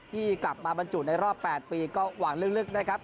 ที่กลับมาบรรจุในรอบ๘ปีก็หวังลึกนะครับ